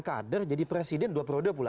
kader jadi presiden dua perode pula